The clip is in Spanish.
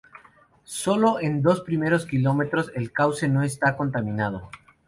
Sólo en su dos primeros kilómetros el cauce no está contaminado.